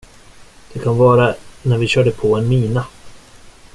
Det kan vara när vi körde på en mina.